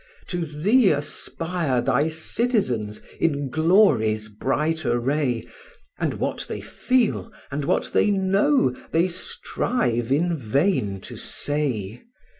To thee aspire thy citizens in glory's bright array, And what they feel and what they know they strive in vain to say.